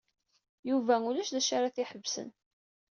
Yuba ulac d acu ara t-iḥebsen.